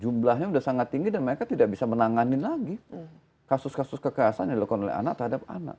jumlahnya sudah sangat tinggi dan mereka tidak bisa menanganin lagi kasus kasus kekerasan yang dilakukan oleh anak terhadap anak